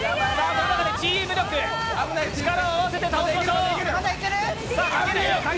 チーム力、力を合わせて倒しましょう！